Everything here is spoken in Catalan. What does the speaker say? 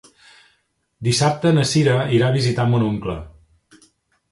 Dissabte na Sira irà a visitar mon oncle.